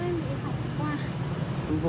mũ em bị hỏng quá